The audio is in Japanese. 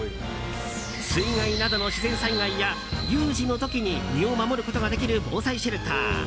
水害などの自然災害や有事の時に身を守ることができる防災シェルター。